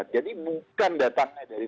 jadi bukan datangnya dari